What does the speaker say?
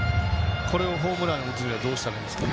これをホームランを打つにはどうしたらいいですか？